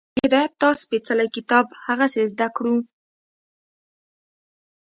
د هدایت دا سپېڅلی کتاب هغسې زده کړو